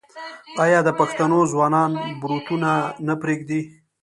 آیا د پښتنو ځوانان بروتونه نه پریږدي؟